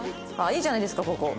いいじゃないですかここ。